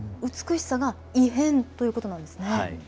美しさが異変ということなんですね。